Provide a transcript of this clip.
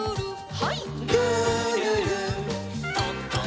はい。